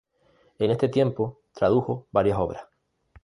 En este tiempo tradujo varias obras.